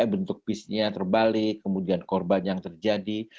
bentuk bisnya terbalik kemudian korban yang terjadi